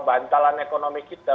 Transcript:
bantalan ekonomi kita